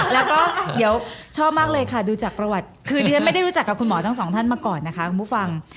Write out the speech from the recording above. แล้วก็เดี๋ยวชอบมากเลยค่ะดูจากประวัติคือดิฉันไม่ได้รู้จักกับคุณหมอทั้งสองท่านมาก่อนนะคะคุณผู้ฟัง